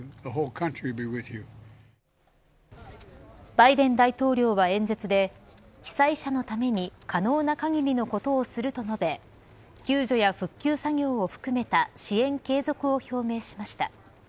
バイデン大統領は演説で被災者のために可能な限りのことをすると述べ救助や復旧作業を含めた支援継続を表明しました。